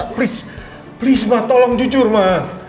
tolong ma tolong jujur ma